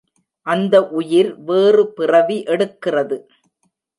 அந்த உயிர் வேறு பிறவி எடுக்கிறது.